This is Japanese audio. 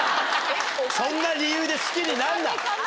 そんな理由で好きになんな。